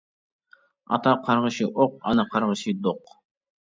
ئاتا قارغىشى ئوق، ئانا قارغىشى دوق.